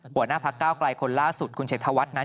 หัวหน้าพักเก้าไกลคนล่าสุดคุณชัยธวัฒน์นั้น